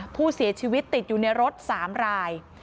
ผู้เสียชีวิตติดอยู่ในรถ๓ราย